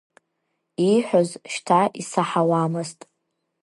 Ииҳәоз шьҭа исаҳауамызт.